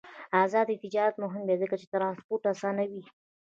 آزاد تجارت مهم دی ځکه چې ترانسپورت اسانوي.